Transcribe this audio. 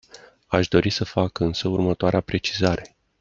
Aș dori să fac însă următoarea precizare.